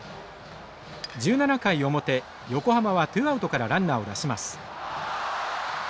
１７回表横浜はツーアウトからランナーを出します。